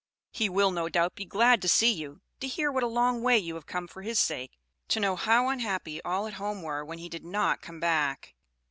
"He will, no doubt, be glad to see you to hear what a long way you have come for his sake; to know how unhappy all at home were when he did not come back."